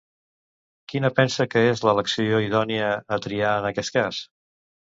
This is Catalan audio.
Quina pensa que és l'elecció idònia a triar en aquest cas?